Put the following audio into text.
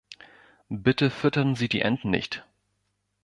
Bitte füttern Sie die Enten nicht!